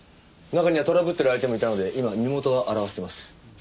中にはトラブってる相手もいたので今身元を洗わせています。